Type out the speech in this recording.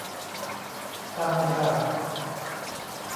ซานดรา